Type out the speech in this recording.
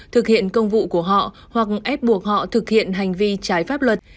thực hiện công vụ của họ hoặc ép buộc họ thực hiện hành vi trái pháp luật